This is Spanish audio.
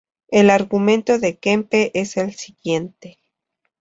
El argumento de Kempe es el siguiente.